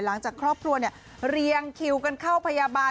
หลังจากครอบครัวเรียงคิวกันเข้าพยาบาล